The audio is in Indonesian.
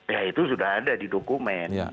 ya itu sudah ada di dokumen